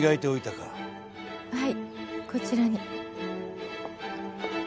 はいこちらに。